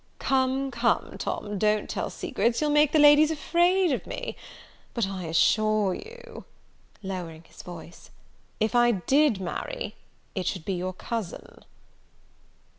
"Come, come, Tom, don't tell secrets; you'll make the ladies afraid of me: but I assure you," lowering his voice, "if I did marry, it should be your cousin."